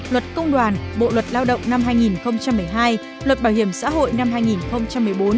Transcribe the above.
luật công đoàn bộ luật lao động năm hai nghìn một mươi hai luật bảo hiểm xã hội năm hai nghìn một mươi bốn